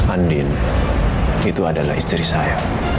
andin itu adalah istri saya